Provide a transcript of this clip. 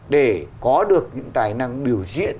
để có được những tài năng biểu diễn